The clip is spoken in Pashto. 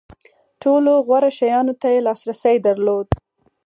ټولو غوره شیانو ته لاسرسی درلود.